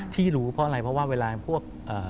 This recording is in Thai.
ที่รู้เพราะอะไรเพราะว่าเวลาพวก